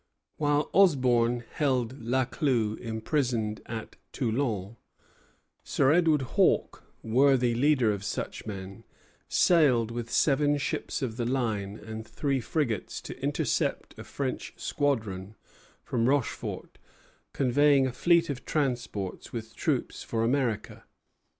While Osborn held La Clue imprisoned at Toulon, Sir Edward Hawke, worthy leader of such men, sailed with seven ships of the line and three frigates to intercept a French squadron from Rochefort convoying a fleet of transports with troops for America.